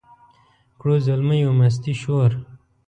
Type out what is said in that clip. کړو زلمیو مستي شور